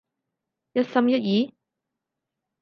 一心一意？